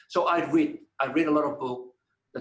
jadi saya membaca banyak buku